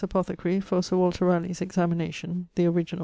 ], apothecary, for Sir Walter Raleigh's examination (the originall).